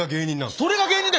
それが芸人だよ。